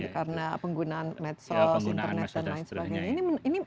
karena penggunaan medsos internet dan lain sebagainya